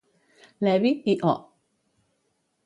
Levy i O.